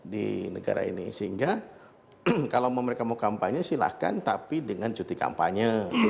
di negara ini sehingga kalau mereka mau kampanye silahkan tapi dengan cuti kampanye